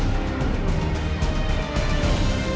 โปรดติดตามต่อไป